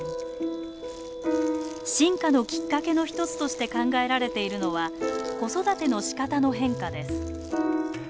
進化のきっかけの一つとして考えられているのは子育てのしかたの変化です。